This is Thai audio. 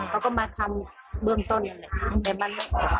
แล้วก็มาทำเบื้องต้น